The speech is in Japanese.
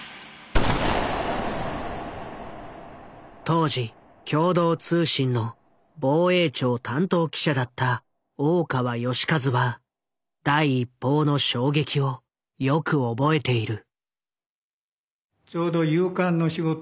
当時共同通信の防衛庁担当記者だった大川義一は第一報の衝撃をよく覚えている。